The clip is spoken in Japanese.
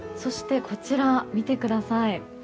そして、こちらを見てください。